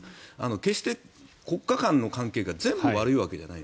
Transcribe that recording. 決して国家間の関係が全部悪いわけじゃない。